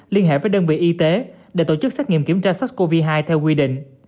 liên hệ với đơn vị y tế để tổ chức xét nghiệm kiểm tra sars cov hai theo quy định